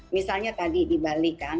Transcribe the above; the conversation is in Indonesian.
misalnya tadi di bali kan